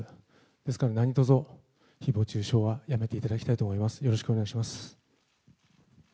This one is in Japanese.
ですから、何とぞ、ひぼう中傷はやめていただきたいと思います。